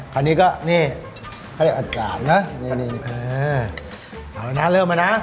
คราวนี้ก็นี่ให้อาจารย์นะนี่เอาแล้วนะเริ่มมานะ